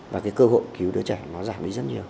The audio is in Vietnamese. và cái cơ hội cứu đứa trẻ nó giảm đi rất nhiều